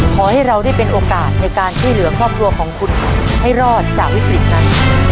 ขอให้เราได้เป็นโอกาสในการช่วยเหลือครอบครัวของคุณให้รอดจากวิกฤตนั้น